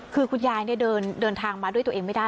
คือคุณยายเดินทางมาด้วยตัวเองไม่ได้